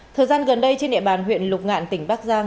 thời gian gần đây trên địa bàn huyện lục ngạn tỉnh bắc giang